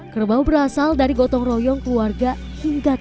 kerbau berasal dari gotong royong keluarga hingga ke